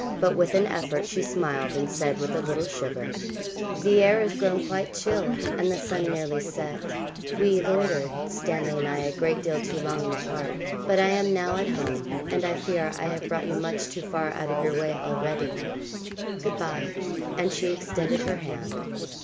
But with an effort she smiled, and said, with a little shiver, 'The air has grown quite chill, and the sun nearly set; we loitered, Stanley and I, a great deal too long in the park, but I am now at home, and I fear I have brought you much too far out of your way already; good bye.' And she extended her hand.